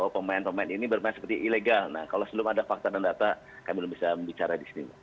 pemain pemain ini bermain seperti ilegal nah kalau sebelum ada fakta dan data kami belum bisa bicara di sini